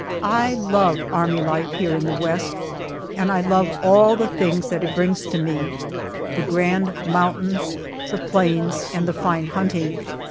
I love army life here in the West, and I love all the things that it brings to me the grand mountains, the plains, and the fine hunting.